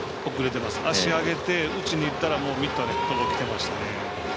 足上げて、打ちにいったらミットに届いてましたね。